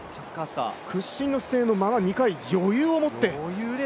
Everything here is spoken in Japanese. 屈身の姿勢のまま２回余裕を持って。